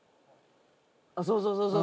あっそうそうそうそう。